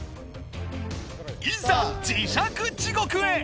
いざ磁石地獄へ！